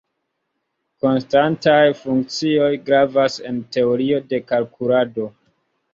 Konstantaj funkcioj gravas en teorio de kalkulado.